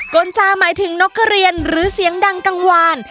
กลจาหมายถึงนกกระเรียนหรือเสียงดังกังวาน